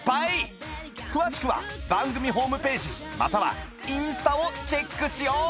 詳しくは番組ホームページまたはインスタをチェックしよう